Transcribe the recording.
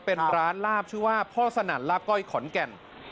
เป็นร้านลาบชื่อว่าพ่อสนั่นลาบก้อยขอนแก่น